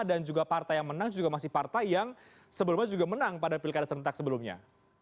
dan juga partai yang menang juga masih partai yang sebelumnya juga menang pada pilkada serentak sebelumnya